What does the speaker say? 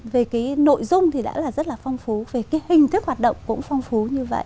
về cái nội dung thì đã là rất là phong phú về cái hình thức hoạt động cũng phong phú như vậy